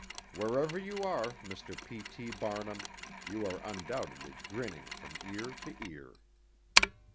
Wherever you are, Mr. P. T. Barnum, you are undoubtedly grinning from ear to ear.